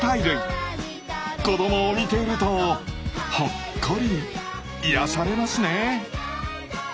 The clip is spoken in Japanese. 子どもを見ているとほっこり癒やされますね。